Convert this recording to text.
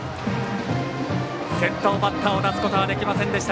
先頭バッターを出すことができませんでした。